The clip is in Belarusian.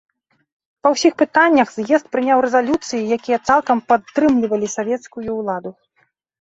Па ўсіх пытаннях з'езд прыняў рэзалюцыі, якія цалкам падтрымлівалі савецкую ўладу.